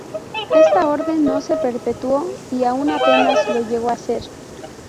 Esta Orden no se perpetuó y aun apenas lo llegó a ser.